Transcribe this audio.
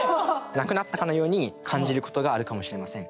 なくなったかのように感じることがあるかもしれません。